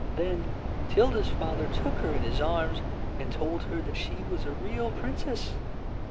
Then Tilda's father took her in his arms, and told her that she was a real princess.